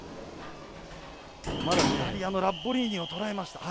イタリアのラッボリーニをとらえました。